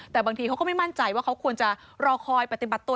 แต่บางทีเขาก็ไม่มั่นใจว่าเขาควรจะรอคอยปฏิบัติตัว